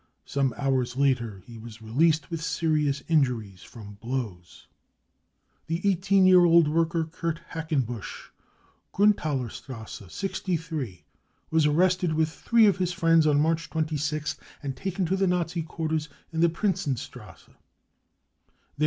Some hours later he was released with serious injuries from blows. 55 " The 18 year old worker Kirt Hackenbusch, Griinthaler strasse 63, was arrested with three of his friends on March 26th and taken to the Nazi quarters in the Prinzenstrasse.